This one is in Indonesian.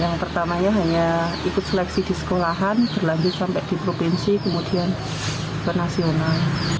yang pertama ya hanya ikut seleksi di sekolahan berlanjut sampai di provinsi kemudian ke nasional